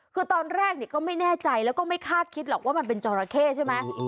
คือตอนแรกก็ไม่แน่ใจแล้วก็ไม่คาดคิดหรอกว่ามันเป็นจราเข้ใช่ไหม